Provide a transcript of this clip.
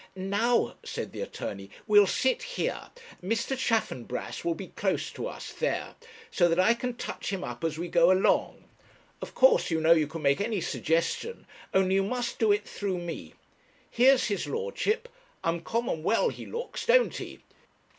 'Now,' said the attorney, 'we'll sit here Mr. Chaffanbrass will be close to us, there; so that I can touch him up as we go along; of course, you know, you can make any suggestion, only you must do it through me. Here's his lordship; uncommon well he looks, don't he?